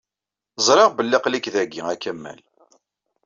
Ẓriɣ belli aql-ik dagi, a Kamal.